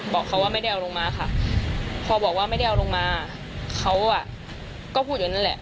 บอกเขาว่าไม่ได้เอาลงมาค่ะพอบอกว่าไม่ได้เอาลงมาเขาก็พูดอยู่นั่นแหละ